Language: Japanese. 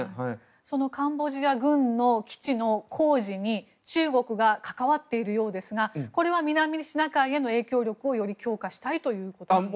そのカンボジア軍の基地の工事に中国が関わっているようですがこれは南シナ海への影響力をより強化したいということですか。